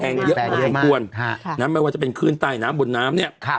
แปรงมากมันทั้งควรฮะน้ำไม่ว่าจะเป็นเคลื่อนใต้น้ำบนน้ำเนี่ยค่ะ